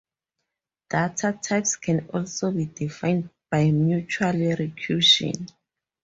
Data types can also be defined by mutual recursion.